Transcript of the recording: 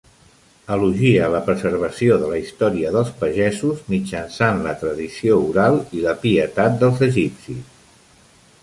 Elogia la preservació de la història dels pagesos mitjançant la tradició oral i la pietat dels egipcis.